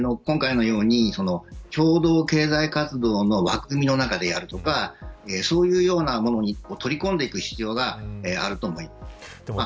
ですから、今回のように共同経済活動の枠組みの中でやるとかそういうようなものに取り込んでいく必要があると思います。